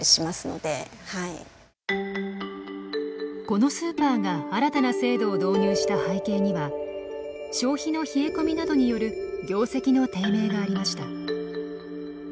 このスーパーが新たな制度を導入した背景には消費の冷え込みなどによる業績の低迷がありました。